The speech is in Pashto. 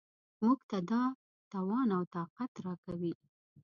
موږ ته دا توان او طاقت راکوي.